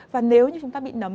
và nếu như chúng ta bị nấm